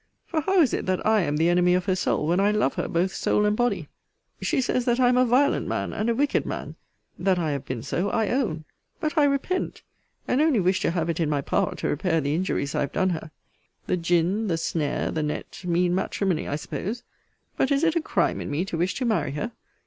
For how is it that I am the enemy of her soul, when I love her both soul and body? She says, that I am a violent man, and a wicked man. That I have been so, I own: but I repent, and only wish to have it in my power to repair the injuries I have done her. The gin, the snare, the net, mean matrimony, I suppose But is it a crime in me to wish to marry her?